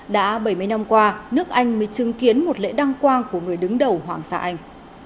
đã bảy mươi năm qua nước anh mới chứng kiến một lễ đăng quang của người đứng đầu hoàng gia anh